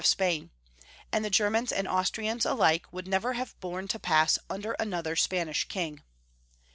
of Spain, and the Germans and Austrians alike would never have borne to pass under another Spanish King.